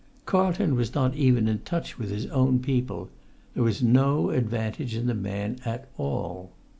Carlton was not even in touch with his own people. There was no advantage in the man at all.